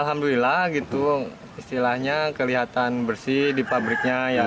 alhamdulillah gitu istilahnya kelihatan bersih di pabriknya ya